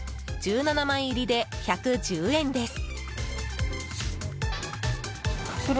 １７枚入りで１１０円です。